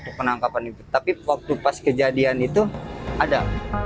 tapi waktu pas kejadian itu ada